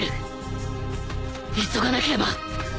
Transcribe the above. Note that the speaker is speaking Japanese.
急がなければ